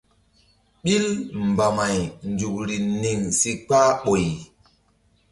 Ɓil mbamay nzukri niŋ si kpah ɓoy.